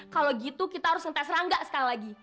kalau gitu kita harus ngetes rangga sekali lagi